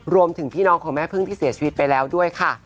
รวมถึงพี่น้องของแม่พึ่งที่เสียชีวิตไปแล้วด้วยค่ะ